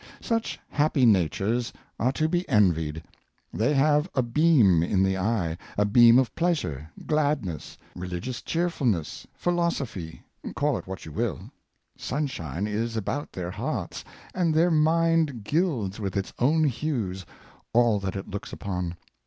Such happy natures are to be envied. They have a beam in the eye — a beam of pleasure, gladness, relig ious cheerfulness, philosophy, call it what you will. Cheerfuhiess of Nature, 511 Sunshine is about their hearts, and their mind gilds with its own hues all that it looks upon.